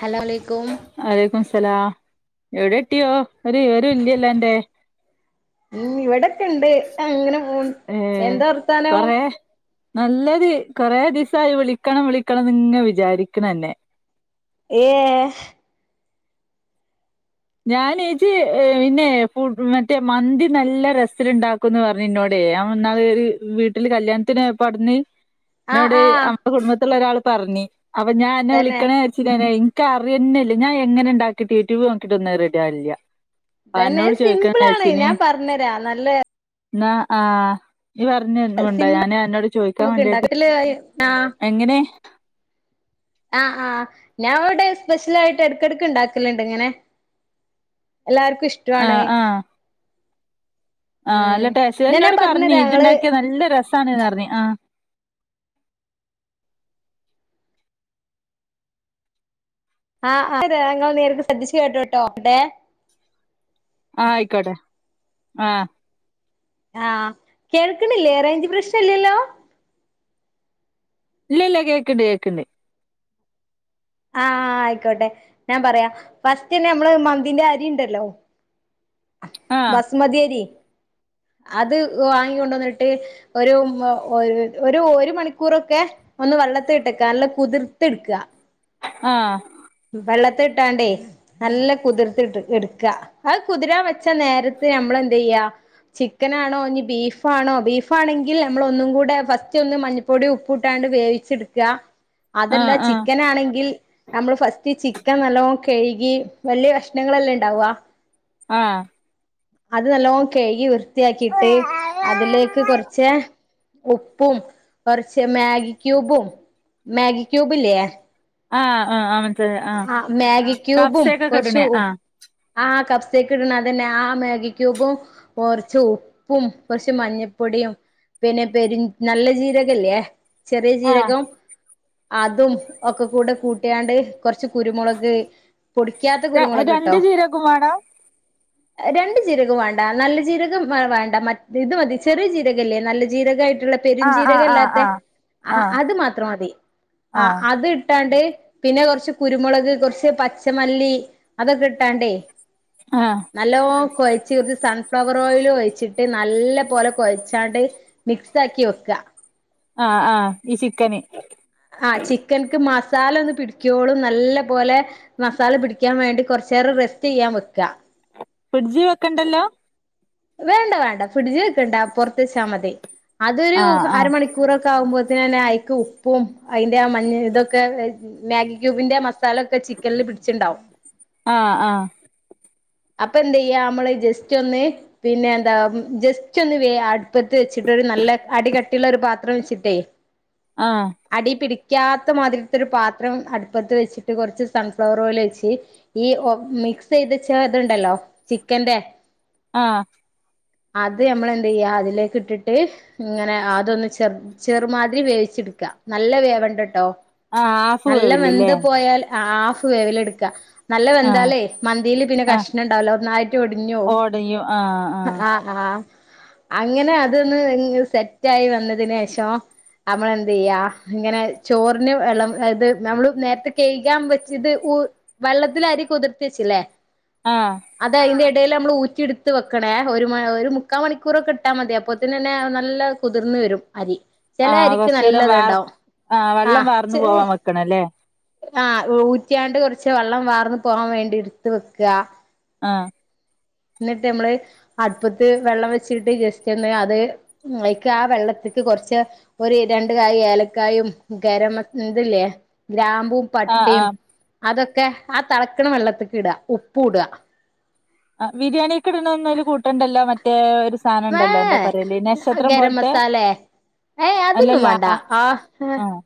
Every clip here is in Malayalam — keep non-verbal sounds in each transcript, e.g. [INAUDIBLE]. ഹലോ അലേയ്ക്കും വലക്കും സ്ലാം എവിടെ എട്ടിയോ ഒരു വിവരം ഇല്ലയലോ ന്റ ഉം ഇവിടൊക്കെ ഉണ്ട് അങ്ങനെ പോന്നു ഏ എന്താ വർത്താന. കൊറെ നല്ലത് കൊറെ ദിവസായി വിളിക്കണം വിളിക്കണം നിന്നെ വിചാരിക്കതന്നെ യേ ഞാൻ ഏച്ചി പിന്നെ മറ്റേ മന്തി നല്ല രസത്തിലിണ്ടാക്കും ന്ന് പറഞ്ഞ് ഇന്നോടെ എന്നാ വീട്ടില് കല്യാണത്തിന് പടന്ന് ആഹ് എന്നോട് ആഹ് അമ്മ കുടുംബത്തിലുള്ള ഒരാൾ പറഞ്ഞി അപ്പൊ ഞാൻ എന്നെ തന്നെ വിളിക്കണ [UNINTELLIGIBLE] എനിക്കറിയന്നേല്ല ഞാൻ എങ്ങനെ ഉണ്ടാക്കിട്ട് യൂട്യൂബ് നോക്കിട്ട് ഒന്ന് റെഡി ആവില്ല ഇതന്നെ അന്നോട് ചോദിക്കണ സിമ്പിൾ ആണ് ഞാൻ പറഞ്ഞരാ നല്ല നാ ആഹ് ഈ പറഞ്ഞന്നണ്ടാ സിമ്പിൾ ഞാനാന് എന്നോട് ചോയ്ക്കാൻ നമുക്ക് വേണ്ടിട്ട് ഇണ്ടാക്കല് ആഹ് എങ്ങനെ ആഹ് ആഹ് ഞാൻ അവിടെ സ്പെഷ്യൽ ആയിട്ട് ഇടക്കിടക്ക് ഉണ്ടാക്കലുണ്ട് ഇങ്ങനെ. എല്ലാർക്ക് ഇഷ്ട ആഹ് ആഹ് ആഹ് ഉം അല്ലട്ടേ ന്നാ ഞാൻ [UNINTELLIGIBLE] പറഞ്ഞു പറഞ്ഞരാ ഞങ്ങള് ഇഞ്ണ്ടാക്കിയ നല്ല രസാണന്ന് പറഞ്ഞ് ആഹ് ആഹ് അ ഞങ്ങൾ നേരിക്ക് ശ്രദ്ധിച്ചു കേട്ടോട്ടോ ഏ ആഹ് ആയിക്കോട്ടെ ആഹ് ആഹ് കേൾക്ക്ണില്ലേ റേൻജ് പ്രശ്നല്ലല്ലോ ഇല്ല ല്ല കേക്ക്ണ്ട് കേക്ക്ണ്ട് ആഹ് ആയിക്കോട്ടെ ഞാം പറയാ ഫസ്റ്റെന്നെ നമ്മള് മന്തിന്റെ അരിണ്ടല്ലോ ആഹ് ബസ്മതിയരി അത് വാങ്ങിക്കൊണ്ടന്നിട്ട് ഒരു ഒരു ഒരു മണിക്കൂറൊക്കെ ഒന്ന് വെള്ളത്തി ഇട്ടക്ക നല്ല കുതിർത്ത്ട്ക്കാ ആഹ് വെള്ളത്തിലിട്ടാണ്ടേ നല്ല കുതിർത്തിട്ട് എട്ക്കാ അത് കുതിരാം വെച്ച നേരത്ത് നമ്മളെന്തീയ്യാ ചിക്കനാണോ ഞ്ഞി ബീഫാണോ ബീഫാണെങ്കിൽ നമ്മളൊന്നും കൂടെ ഫസ്റ്റൊന്ന് മഞ്ഞ പൊടി ഉപ്പ്ട്ടാണ്ട് വേവിച്ചെട്ക്ക. അതല്ല ആഹ് ആഹ് ചിക്കനാണെങ്കിൽ നമ്മള് ഫസ്റ്റ് റ്റ് ചിക്കൻ നല്ലോം കയ്കി വല്ല്യേ കഷണങ്ങളല്ലെ ഇണ്ടാവ ആഹ് അത് നല്ലോണം കയ്കി വൃത്ത്യാക്കീട്ട് അതിലേക്ക് കൊർച്ച് ഉപ്പും കൊർച്ച് മാഗി ക്യൂബും മാഗി ക്യൂബ് ല്ലെ ആഹ് ആഹ് ആഹ് ആഹ് മാഗി ക്യൂബും കപ്സേക്കൊക്കെ കൊർച്ച് ഇട്ണേ ഉ ആഹ് ആഹ് കഫ്സേക്ക് ഇട്ന്നതന്നെ ആഹ് മാഗി ക്യൂബും കൊർച്ച് ഉപ്പും കൊർച്ച് മഞ്ഞപ്പൊടിയും പിന്നെ പെരിൻ നല്ല ജീരകല്ലേ ചെറിയ ആഹ് ജീരകം അതും ഒക്കെ കൂടെ കൂട്ട്യാണ്ട് കൊർച്ച് കുരുമുളക് പൊടിക്ക്യാത്ത ര രണ്ട് ചീരകും വാണം രണ്ട് ജീരകോം വാണ്ട നല്ല ജീരകം വാണ്ട ത് മതി ചെറിയ ജീരകല്ലേ നല്ല ജീരകായിട്ട്ള്ളെ ആഹ് ആഹ് പെരുഞ്ചീരകല്ലാത്തെ ആഹ് ആഹ് അത് മാത്രം മതി ആഹ് അത് ഇട്ടാണ്ട് പിന്നെ കൊർച്ച് കുരുമുളക് കൊർച്ച് പച്ചമല്ലി അതൊക്കെ ഇട്ടാണ്ടേയ് ആഹ് നല്ലോം കൊഴച്ച് അയ്ക്ക് സൺഫ്ലവർ ഓയില് ഒയിച്ചിട്ട് നല്ല പോലെ കൊയ്ച്ചാണ്ട് മിക്സാക്കി വെക്കാ ആഹ് ആഹ് ഈ ചിക്കന് ആഹ് ചിക്കൻക്ക് മസാലൊന്ന് പിടിക്കോളം നല്ല പോലെ മസാല പിടിക്കാൻ വേണ്ടി കൊർച്ചേരം റെസ്റ്റെയ്യാം വെക്ക ഫ്രിഡ്ജ് വെക്കണ്ടല്ലോ വേണ്ട വേണ്ട ഫ്രിഡ്ജ് വെക്കണ്ട പോറത്ത് വെച്ചാ മതി അതൊരു ആഹ് ആഹ് അരമണിക്കൂ കൂറൊക്കെ ആകുമ്പോത്തിനെ ഐക്ക് ഉപ്പും ഐന്റെ ആ മഞ്ഞ തൊക്കെ മാഗി ക്യൂബിന്റെ മസാലൊക്കെ ചിക്കൻല് പിടിച്ച്ണ്ടാവും ആഹ് ആഹ് അപ്പഎന്ത് ചെയ്യാ നമ്മള് ജസ്റ്റൊന്ന് പിന്നെ എന്താ ജസ്റ്റ് ഒന്ന് വെ അട്പ്പത്ത് വെച്ച്ട്ട് നല്ല അടികട്ടിള്ള ഒരു പാത്രം വെച്ചിട്ടേ ആഹ് അടീ പിടിക്കാത്ത മാതിരിത്തെര് പാത്രം അട്പ്പത്ത് വെച്ചിട്ട് കൊറച്ച് സൺഫ്ലവർ ഓയിൽ ഒഴിച്ച് ഈ ഓ മിക്സെയ്തെച്ചത്ണ്ടല്ലോ ചിക്കന്റെ ആഹ് അത് ഞമ്മളെന്തെയ്യാ അതിലേക്ക്ട്ട്ട്ട് ഇങ്ങനെ അതൊന്ന് ചെർ ചെർമാതിരി വേവിച്ചെട്ക്ക നല്ല വേവണ്ടട്ടോ ആഹ് ഹാഫ് നല്ല വേവില്ല്ലേ വെന്ത് പോയാൽ ആഫ് വേവ് ല്ട്ക്കാ നല്ല ആഹ് വന്താലേ മന്തീല് പിന്നെ ആഹ് കഷ്ണണ്ടാവൂല ഒന്നായ്ട്ട് ഒടിഞ്ഞോവും ഓടയും ആഹ് ആഹ് ആഹ് അങ്ങനെ അതൊന്ന് സെറ്റായി വന്നതിന് ശേഷം നമ്മളെന്ത് ചെയ്യാ ഇങ്ങനെ ചോറിന് വെള്ളം ഇത് നമ്മള് നേരത്തെ കഴ്കാൻ വെച്ച ഇത് വെള്ളത്ത്ലരി കുതിർത്തിച്ചില്ലേ? ആ അതെ അയ്ന്റെ എടയിൽ നമ്മൾ ഊറ്റി ഇട്ത്ത് വെക്കണേ ഒരു ഒരു മുക്കാ മണിക്കൂറൊക്കെ ഇട്ടാൽ മതി അപ്പത്തിന്നന്നെ നല്ല കുതിർന്നുവരും അരി. ചെല ആ അരിക്ക് കറച്ചേരം വാർ നല്ലത്ണ്ടാവും ആ വെള്ളം ആഹ് വാർന്നു ചെ പോവാൻ വെക്കണ ല്ലേ? ആഹ് ഊറ്റിയാണ്ട് കുറച്ച് വെള്ളം വാർന്ന് പോകാൻ വേണ്ടി എടുത്ത് വെക്ക ആഹ് ന്നട്ട് നമമ്മള് അടുപ്പത്ത് വെള്ളം വെച്ചിട്ട് ജസ്റ്റ് എന്ന് അത് ആയിക്ക് ആ വെള്ളത്തിക്ക് കൊറച്ച് ഒരു രണ്ട് കായ ഏലക്കായും ഗരമ ഇതില്ലേ ഗ്രാമ്പും ആഹ് പട്ടിം ആഹ് അതൊക്കെ ആ തളക്കണ വെള്ളത്ത്ക്ക് ഇട ഉപ്പ് ഇട. ആ ബിരിയാണിക്കെടണൊന്നും അതിൽ കൂട്ടണ്ടല്ലോ മറ്റേ സാധനം വേ ഉണ്ടല്ലോ എന്താ പറയല് നക്ഷത്രം ഗരം പോലത്തെ മസാലെ ഏയ് അതൊന്നും അല്ലല്ല വേണ്ടാ ആഹ് ആ ആഹ്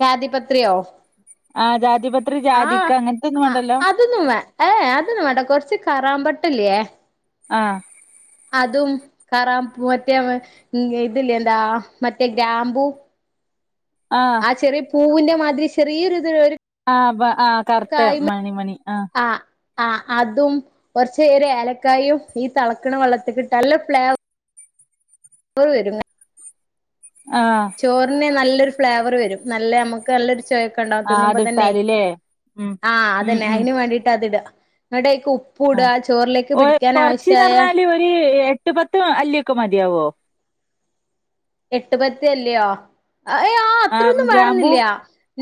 ജാതി പത്രിയോ? ആ ജാതി പത്രി ആ അതൊന്നും വേ ഏ അതൊന്നും വേണ്ടാ കൊറച്ച് കറാമ്പട്ടല്ലേ? ആ അതും കറാംപു മറ്റേ ഇതില്ലേ മറ്റേ ഗ്രാമ്പു. ആ ചെറിയ പൂവിന്റെ മാതിരി ചെറിയൊരു ഇത് ആഹ് ആഹ് കറുത്ത മണി മണി ആഹ് ആഹ് അതും കുറച്ച ഒരു ഏലക്കായും ഈ തളക്കണ വെള്ളത്തിക്കിട്ടാ നല്ല ഫ്ലേവറ പ്പവര്ന്ന ആഹ് ചോറിന് നല്ലൊരു ഫ്ലേവർ വരും നല്ല നമുക്ക് നല്ലൊരു ചോയക്കെണ്ടാവ ആഹ് തിന്നുമ്പതന്നെ അതിട്ടാലില്ലേ ഉം ആഹ ഉം അതന്നെ ഉം അയ്ന് വേണ്ടിട്ട് അത് ഇട ങ്ങട്ട് ഐക്ക് ഉപ്പ് ഇട ആഹ് ആ ചോറിലേക്ക് ഓ പിടിക്കാൻ കൊറച്ച്ന്ന് ആവശ്യായ പറഞ്ഞാല് ഒരു എട്ട് പത്ത് അല്ലിയൊക്കെ മതിയാവോ? എട്ടുപത്തല്ലിയോ ഏഹ് ആ ആഹ് അത്രൊന്നും ഗ്രാമ്പൂ വേണെന്നില്ല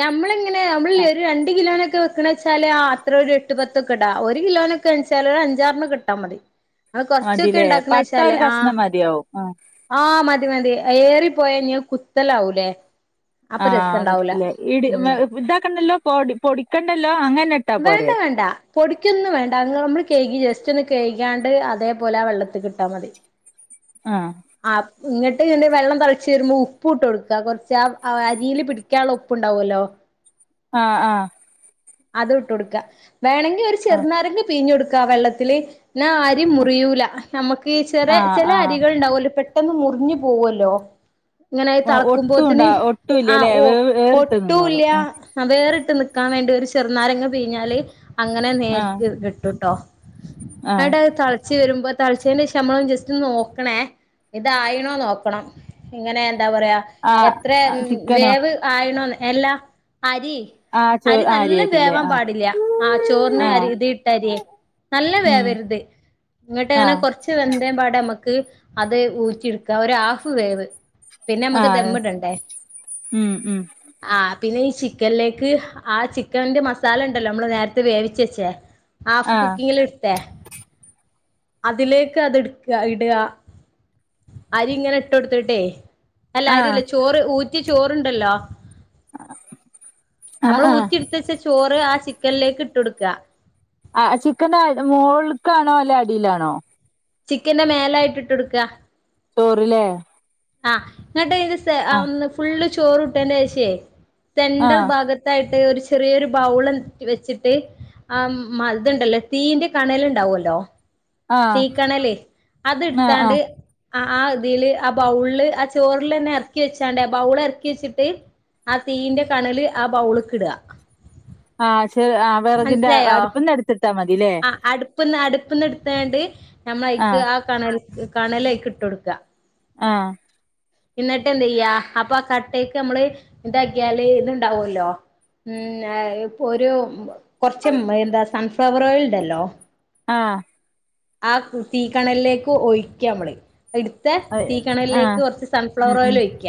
നമ്മളെ നമ്മളൊര് രണ്ട് കിലോനക്കെ ക്ക്ണച്ചാല് അത്ര ഒരു എട്ട്പത്തൊക്കെടാ ഒരു കിലോനൊക്കെന്ന്ച്ചാല് ഒര് അഞ്ചാറണ്ണക്കെട്ടാ മതി. അ കൊറച്ചൊക്കെ മതിലേ പട്ട ഉണ്ടാക്കുണെച്ചാലേ ഒരു ആ കഷ്ണം മതിയാവും ആ ആഹ് മതി മതി ഏറിപ്പോയാഞ്ഞ് അത് കുത്തലാവൂലേ? ആ അപ്പൊ രസണ്ടാവൂല കുത്തല്ലേ ഇ ഉം ഇതാക്കണ്ടല്ലോ പൊടി പൊടിക്കണ്ടല്ലോ അങ്ങനെ ഇട്ടാ വേണ്ട പോരെ വേണ്ട പൊടിക്കൊന്നും വേണ്ട അ നമ്മള് കഴികി ജസ്റ്റ് ഒന്ന് കഴികാണ്ട് അതേപോലെ വെള്ളത്തികിട്ടാൽ മതി. ആ ആഹ് ഇങ്ങട്ട്ന്നെ വെള്ളം തളച്ച് വരുമ്പോ ഉപ്പ് ഇട്ട്ട്ടോട്ക്ക കൊറച്ച് അരീല് പിടി ക്കള ഉപ്പ് ഉണ്ടാവുമല്ലോ ആഹ് ആഹ് അത് ഇട്ടോടുക്ക വേണമെങ്കി ഒരു ചെറുനാരങ്ങി പിഴിഞ്ഞൊടുക്കാ വെള്ളത്തില് ന്നാ അരി മുറിയൂല നമ്മക്ക് ചെറ ആ ചെല ആ അരികൾ ഉണ്ടാവല്ലോ പെട്ടെന്ന് മുറിഞ്ഞു പോവല്ലോ ഇങ്ങനൊയി ആ ഒട്ടും തളക്കുമ്പോത്തിന് ഉണ്ടാ ആ ഒട്ടുംല്ലല്ലേ ഓ വേവ് വേറിട്ട് ഒട്ടുംഇല്ല നിന്നോളും ആഹ് വേറിട്ട് നിക്കാൻ വേണ്ടി ഒര് ചെറ്നാരങ്ങ പീഞ്ഞാല് അങ്ങനെ ആ നേര്ക്ക് കിട്ടുട്ടോ ആ ന്നട്ട് ച് വരുമ്പോ തളച്ചേന്റെ ശേഷം നമ്മള ജസ്റ്റ് നോക്കണേ ഇതായിണോ നോക്കണം ഇങ്ങനെ എന്താ പറയാ ആ എത്ര ആ ചിക്കനോ വേവ് ആയിണോ എല്ലാ അരി ആഹ ചോ അരി നല്ല അരിയ വേവാൻ പാടില്ല ആ ചോറിന് അരിതിട്ടരിയ നല്ല ഉം വേവരുത് ഇങ്ങട്ട് ആ അങ്ങന കുറച്ച് വെന്തേ പാട നമുക്ക് അത് ഊറ്റി എടുക്കാം. ഒരു ഹാഫ് വേവ് പിന്നെ ആ നമ്മുക്ക് ദമ്മ്മിടണ്ടേ ഉം ഉം ആഹ് പിന്നെ ഈ ചിക്കനിലേക്ക് ആ ചിക്കന്റെ മസാല ഉണ്ടല്ലോ നമ്മള് നേരത്തെ വേവിച്ച വെച്ചേ ഹാഫ് ആ കുക്കിങ്ങിൽ അതിലേക്ക് അത് എടുക്കുക ഇടുക അരി ഇങ്ങനെ ഇട്ട കൊടുത്തിട്ടേ അല്ല ആ അരില്ല ചോറ് ഊറ്റിയ ചോറണ്ടല്ലോ ആ നമ്മൾ ആ ഊറ്റി കത്ച്ച ചോറ് ആ ചിക്കനിലേക്ക് ഇട്ട് കൊടുക്കുക ആഹ് ചിക്കൻന്റെ മോൾക്കാണോ അല്ലെ അടിയിലാണോ ചിക്കന്റെ മേല ആയി ഇട്ടൊട്ട് ക്ക ചോറ് ല്ലേ ആഹ് ഇങ്ങട്ട്ന്റെ ഒ ഫുള്ള് ചോറ് ഇട്ട് എന്റെ ശേ ഷെ ആ സെന്റെർ ഭാഗത്തായിട്ട് ഒരു ചെറിയൊരു ബൗളെന്തേലും വെച്ച്ട്ട് ആഹ് ഇത്ണ്ടല്ലോ തീന്റെ കണല് ഉണ്ടാവല്ലോ ആ തീക്കണല് അത് ആ ആ എടുത്താണ്ട് ആഹ് ആ ഇതിയില് ആ ബൗളില് ആ ചോറില് തന്നെ ഇറക്കി വെച്ചാണ്ടേ ആ ബൗള് ഇറക്കി വെച്ചിട്ട് ആ തീയിന്റെ കണല് ആ ബൗള്ക്ക്ടാ ആഹ് ചെ ആഹ് വിറകിന്റെ മനസ്സിലായോ അരിപ്പൊന്നന്ന് എടുത്തിട്ടാൽ മതില്ലേ ആ അട്പ്പ്ന്ന് അട്പ്പ്ന്ന് ഇട്ത്താണ്ട് നമ്മളൈക്ക് ആഹ് ആ കണല്ക്ക് കണലയിക്ക് ഇട്ടൊട്ക്കാ ആഹ് എന്നിട്ട് എന്ത ചെയ്യാ അപ്പൊ ആ കട്ടയക്ക് നമ്മള് ഇന്താക്കിയാല് ഇത്ണ്ടാവല്ലോ ഉം ഇപ്പൊ ഒരു കൊറച്ച എന്താ സൺഫ്ലവർ ഓയിൽ ഉണ്ടല്ലോ. ആഹാ ആ തീ കണലിലേക്ക് ഒഴിക്കമ്മള എടുത്ത് തീ ആഹ് കിണലിലേക്ക് ആഹ് കുറച്ച് ഉം സൺഫ്ലവർ ഓയിൽ ഉം വയ്ക്കുക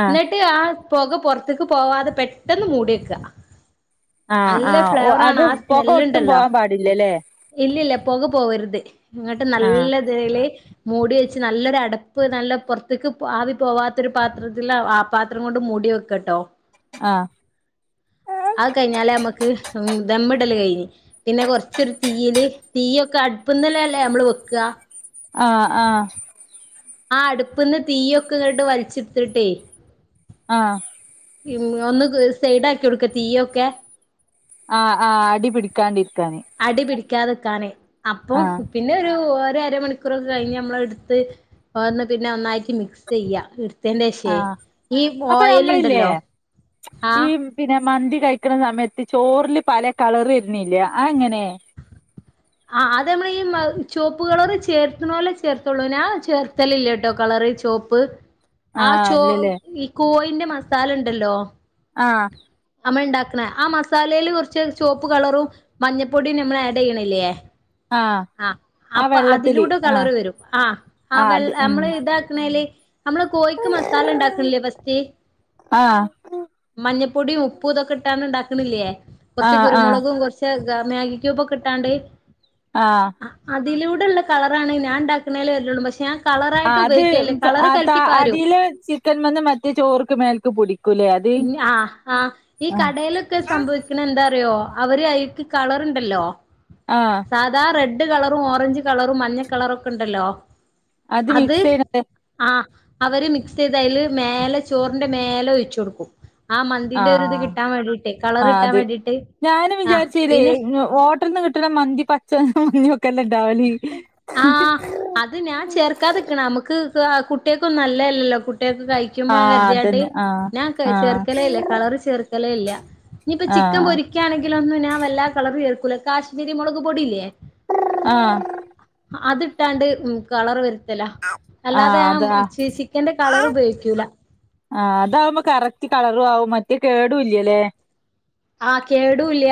ആഹ് എന്നിട ഇന്നിട്ടാ പൊക പൊർത്ത്ക്ക് പോവാതെ പെട്ടെന്ന് മൂടിയെക്കാ ആഹ് നല്ല ആഹ് ഓ ഫ്ലേവറാണ് അത് ആ പൊക ഒട്ടും സ്മെല്ല്ണ്ടല്ലോ? പോവാൻ പാടില്ലല്ലേ ഇല്ലല്ല പൊക പോകരുത് ഇങ്ങട്ട് ആഹ് നല്ലതില് മൂടി വെച്ച് നല്ലൊരടപ്പ് നല്ല പൊർത്ത്ക്ക് ആവി പോവാത്തൊരു പാത്രത്തിലാ പാത്രം കൊണ്ട് മൂടി വെക്കാ കട്ടോ ആഹ് അത് കഴിഞ്ഞാലേ നമുക്ക് ദമ്മിടൽ കഴിഞ് പിന്നെ കുറച്ചരു തീയിയില് തീയൊക്കെ ഒക്കടുപ്പ്ന്നല്ലല്ലേ അമ്മള് വെക്കാ? ആഹ ആഹാ ആഹ് അടുപ്പ നിന്ന് തീയൊക്കെ ഇങ്ങട്ട് വലിച്ചിെടുത്തിട്ടേ ആഹ് ഉഒന്ന് സൈഡ ആാക്കി കൊടുക്ക തീയ ഒക്കെ ആഹ് ആഹ് അടി പിടിക്കാണ്ടിരിക്കാനേ അടി പിടിക്കാതിെക്കാനെ അപ്പൊ ആഹ് പിന്നെ ഒരു ഒരമണിക്കൂറൊക്കെ കഴിഞ്ഞ് നമ്മള എടുത്ത് തൊറ്ന്ന് പിന്നൊന്നായിട്ട് മിക്സെയ്യാ ഇട് ന്റെശേ ആഹ് ഈ അപ്പൊ ഓയൽ ഞമ്മളില്ലേ ഉണ്ടല്ലോ ഈ ആഹ് പിന്നെ മന്തി കഴിക്ണ സമയത്ത് ചോറ്ല് പല കളറ് വര്ണില്ലേ അഹ് ഇങ്ങെനെ? ആഹ് അത് നമ്മൾ ഈ ചോപ്പ് കളറ് ചേർത്തണോ അല്ലേ ചേർത്തുള്ളൂ ന്നാ ചേർത്തലില്ല ട്ടോ കളറ് ചോപ്പ് ആ ആഹ് ചോ ഇല്ലല്ലേ ഈ കോയിന്റെ മസാലണ്ടല്ലോ? ആഹ് അമ്മ ഉണ്ടാക്കണ ആ മസാലയില് കുറച്ച് ചുവപ്പ് കളറും മഞ്ഞപ്പൊടിയ നമ്മൾ ആഡ് ചെയ്യണില്ലേ ആഹ് ആ ആ അപ്പൊ വെള്ളത്തില് അതിലൂടെ കളർ ആഹ് വരും ആ ആ ആഹ് വെള്ള അത് ഉം നമ്മള് ഇതാക്ക് ണെയ്ല് നമ്മള് കോഴിക്ക് മസാല ഉണ്ടാക്കണില്ലേ ഫസ്റ്റ് ആഹ് മഞ്ഞ പൊടി ഉപ്പൂ ഇതൊക്കെ ഇട്ടാണ് ഉണ്ടാക്കണില്ലേ കുറച്ച് ആഹ് ആഹ് കുരുമുളകും കുറച്ച് മാഗി ക്യൂബൊക്കെ ഇട്ടാണ്ട് ആഹ് അതിലൂടെയുള്ള കളറാണ് ഞാൻ ഉണ്ടാക്കണേല് വരലെള്ളൂ പക്ഷെ ഞാൻ കളറായിട്ട് ആഹ് അത് ഉപയോഗിക്കലില്ല കളറ് അ താ കലക്കി പാരും അടിയില് ചിത്തൻമന്ന് മറ്റേ ചോർക്ക് മേൽക്ക് പൊടി ഞാ ആ ആ ഈ കടയിലൊക്കെ സംഭ- ക്കണ എന്താറിയോ അവര് അയിക്ക് കളറുണ്ടല്ലോ ആഹ് സാധാ റെഡ് കളറും ഓറഞ്ച് കളറും മഞ്ഞ കളറും ഒക്കെ ഉണ്ടല്ലോ അത് മിക്സ് ചെയ്യണത് ആഹ് അവര് മിക്സ് ചെയ്തയില് മേലെ ചോറിന്റെ മേലെ ഒഴിച്ച് കൊടുക്കും ആ മന്തിന്റെ ഒര് ഇത് കിട്ടാൻ വേണ്ടിട്ട് കളർ ആ കിട്ടാൻ അത് വേണ്ടിട്ട് ആ പിന്നെ ഓടറിൽ നിന്ന് കിട്ടണ മന്തി പച്ച [UNINTELLIGIBLE] ആഹ് അത് ഞാൻ ചേർക്കാതിക്കണ നമുക്ക് കുട്ടികക്കുംന്നല്ലയല്ലല്ലോ കുട്ടികൾ ക്ക്കയി - ആ ക്കുബം കരുതിയാണ്ട് അതന്നെ ആ ഞാ ആ ചേർക്കലെ ഇല്ല കളറ് ചേർക്കലെ ഇല്ല ഇനിയിപ്പ ആ ചിക്കൻ പൊരി - എനിക്കാണെങ്കിലോഒന്നും നാൻ വല്ലാ കളറെ ചേർക്കൂല്ല കാശ്മീരി മുളക് പൊടിയില്ലേ ആഹ് അത് ഇട്ടാണ്ട് ഉം കളർ വര് - ല്ല അല്ലാതെ ആ ചിക്കന്റെ കളറ് ഉപയോഗിക്കൂല ആഹ് അതാവുമ്പോ കറക്റ്റ് കളറും ആവും മറ്റേ കേടുല്ലല്ലേ ആഹ് കേടൂല്ല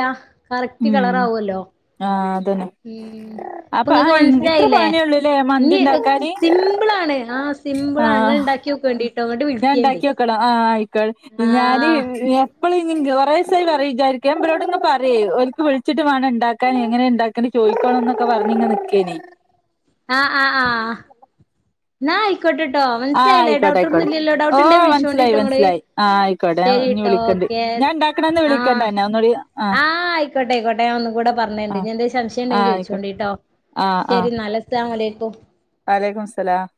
കറക്റ്റ് കളറാവൂല്ലോ ആഹ് അതന്നെ ഉം അപ്പൊ ആ നിങ്ങൾക്ക് ഇത്ര മനസ്സിലായില്ലേ പണിയള്ളൂല്ലേ മന്തി ഇനി ഉണ്ടാക്കാന് സിമ്പിളാണ് ആഹ് സിമ്പിള് ആണ് ഇങ്ങൾ ആഹ് ഇണ്ടാക്കി നോക്കേണ്ടി ഞാൻ ഉണ്ടാക്കി നേക്കണം ആഹ് ആയിക്കോ ഞാന് ആഹ് എ ഇപ്പോള് ഇങ്ങ് കുറെദിസായി പറയും വിചാരിക്ക ഞാൻ ഇവരോടിങ്ങ പറയും ഒരിക്ക് വിളിച്ചിട്ട് വേണം ഉണ്ടാക്കാൻഎങ്ങനെ ഇണ്ടാ ഇങ്ങനെ ചോദിക്കണം എന്നൊക്കെ പറഞ്ഞി ഇങ്ങനെ നിക്കയ്നി ആഹ് ആഹ് ആഹ് ഇനായി കേട്ടിട്ടോ ആഹ് മനസ്സിലായില്ലേ ആയിക്കോട്ടെ ഡൗട്ട് ഒന്നും ആയിക്കോട്ടെ ഇല്ലല്ലോ ഡൗട്ട് ഇണ്ടെ ഓഹ് വിളിച്ചോണ്ടിട്ടോ മനസ്സിലായി നിങ്ങള് മനസ്സിലായി ആഹ് ആയിക്കോട്ടെ ഞാൻ ഇനി ശരിട്ടോ വിളിക്കണ്ട് ഞാൻ എസ് ഇണ്ടാക്കണന്ന് ആഹ് വിളിക്കണ്ടന്നെ ഒന്നൂടി ആഹ് ആയിക്കോട്ടെ ആയിക്കട്ടെ ഞാ ഒന്നും കൂടെ പറഞ്ഞണ്ട് ആഹ് ഇനി എന്തേലും സംശയം ഉണ്ടെങ്കിൽ ആഹ് ചോദിച്ചോ ആയിക്കോട്ടെ ചൂണ്ടീട്ടോ ആഹ് ആഹ് അസ്സലാമുഅലൈക്കും വഅലൈക്കും സലാം